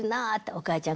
お母ちゃん